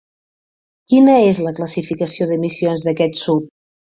Quina és la classificació d'emissions d'aquest SUV?